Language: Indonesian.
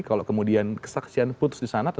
kalau kemudian kesaksian putus disana